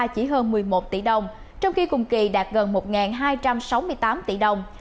chỉ hơn một mươi một tỷ đồng trong khi cùng kỳ đạt gần một hai trăm sáu mươi tám tỷ đồng